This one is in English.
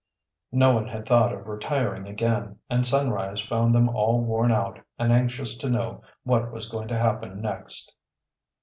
No one had thought of retiring again, and sunrise found them all worn out, and anxious to know what was going to happen next.